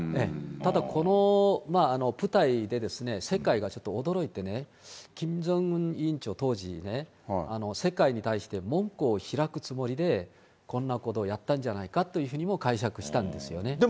ただこの舞台で世界がちょっと驚いてね、キム・ジョンウン委員長、当時ね、世界に対して門戸を開くつもりでこんなことをやったんじゃないかというふうにも解釈したんですよね。